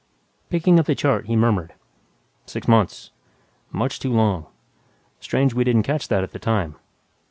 Picking up the chart, he murmured, "Six months ... much too long. Strange we didn't catch that at the time."